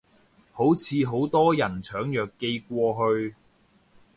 好似好多人搶藥寄過去